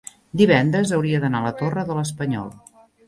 divendres hauria d'anar a la Torre de l'Espanyol.